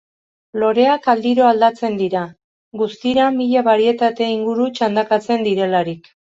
Loreak aldiro aldatzen dira, guztira mila barietate inguru txandakatzen direlarik.